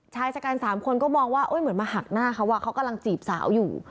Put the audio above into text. ชายชะกัน๓คนก็มองว่าเหมือนมาหักหน้าเขาเขากำลังจีบสาวอยู่